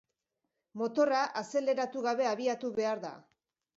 Motorra azeleratu gabe abiatu behar da.